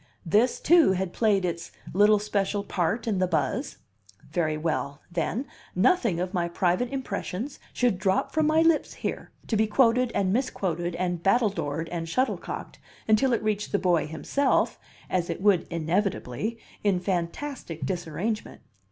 This, too, had played its little special part in the buzz? Very well, then, nothing of my private impressions should drop from my lips here, to be quoted and misquoted and battledored and shuttlecocked, until it reached the boy himself (as it would inevitably) in fantastic disarrangement.